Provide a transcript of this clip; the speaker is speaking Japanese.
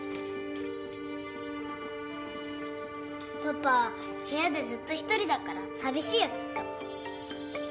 パパ部屋でずっと一人だから寂しいよきっと。